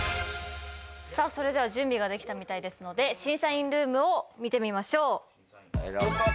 さあそれでは準備ができたみたいですので審査員ルームを見てみましょう。